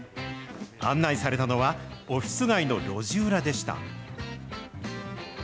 案内されたのは、オフィス街の路地裏でした。